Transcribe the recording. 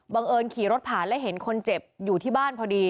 เอิญขี่รถผ่านแล้วเห็นคนเจ็บอยู่ที่บ้านพอดี